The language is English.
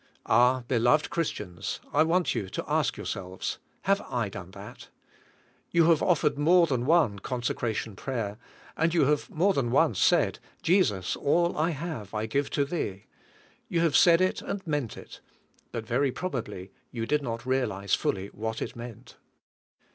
Ah, beloved Christians, I want you to ask your selves: "Have I done that?" You have offered more than one consecration prayer, and you have more than once said: "Jesus, all I have I give to 108 THE COMPLETE SURRENDER Thee." You have said it, and meant it; but very probably you did not realize fully what it meant.